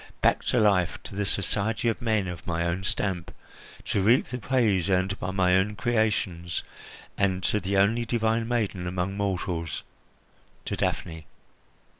Back to life, to the society of men of my own stamp, to reap the praise earned by my own creations, and to the only divine maiden among mortals to Daphne!"